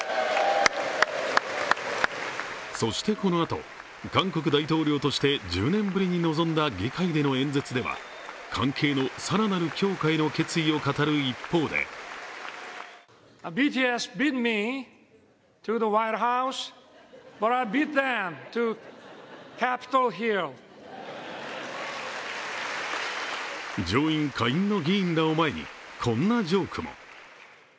そしてこのあと、韓国大統領として１０年ぶりに臨んだ議会での演説では関係の更なる強化への決意を語る一方で上院・下院の議員らを前にこんなジョークも。